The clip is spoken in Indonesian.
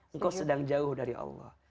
engkau sedang jauh dari allah